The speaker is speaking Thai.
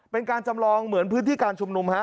เป็นการจำลองเหมือนพื้นที่การชุมนุมฮะ